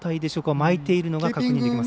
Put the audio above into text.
巻いているのが見えます。